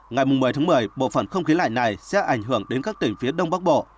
ngày một mươi một mươi bộ phận không khí lạnh này sẽ ảnh hưởng đến các tỉnh phía đông bắc bộ